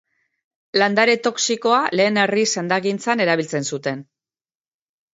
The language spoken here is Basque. Landare toxikoa, lehen herri sendagintzan erabiltzen zuten.